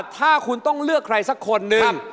ถ้าคุณต้องเลือกใครสักคนนึง